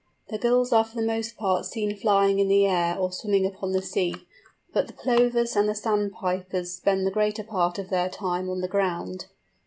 The Gulls are for the most part seen flying in the air or swimming upon the sea, but the Plovers and the Sandpipers spend the greater part of their time on the ground.